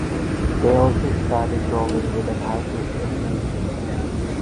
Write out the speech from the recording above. They also studied drawing with an artist in Mainz.